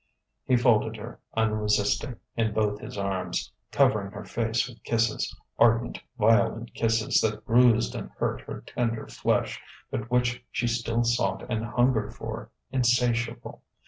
He folded her, unresisting, in both his arms, covering her face with kisses, ardent, violent kisses that bruised and hurt her tender flesh but which she still sought and hungered for, insatiable.